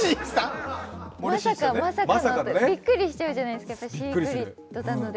まさかまさかの、ビックリしちゃうじゃないですか、シークレットなので。